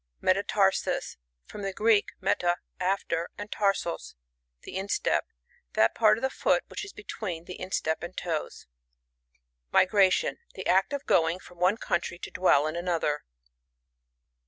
Mrtatarsiis — From the Greek, meta, after, and tarsoSt the instep. That part of the foot which is between the in>tep and toes. MiGRATiOiN. — The act of going* from one country to dwell in another.